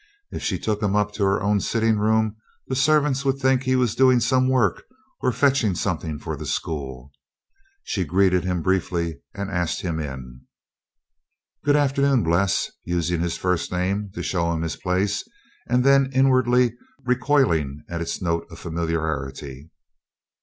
If she took him up to her own sitting room the servants would think he was doing some work or fetching something for the school. She greeted him briefly and asked him in. "Good afternoon, Bles" using his first name to show him his place, and then inwardly recoiling at its note of familiarity.